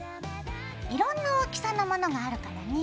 いろんな大きさのものがあるからね。